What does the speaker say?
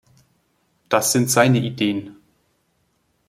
Das sind seine Ideen.